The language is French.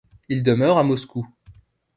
Il demeure à Moscou.